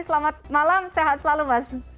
selamat malam sehat selalu mas